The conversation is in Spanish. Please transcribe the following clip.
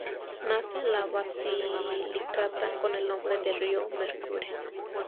Nace en la Basilicata con el nombre de río Mercure.